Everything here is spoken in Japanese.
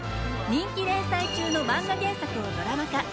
人気連載中のマンガ原作をドラマ化。